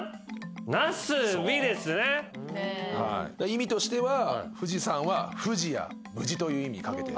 意味としては富士山は無事という意味に掛けて。